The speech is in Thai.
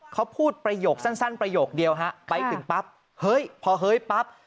เขาพูดประโยคสั้นประโยคเดียวฮะไปถึงปั๊บเฮ้ยพอเฮ้ยปั๊บ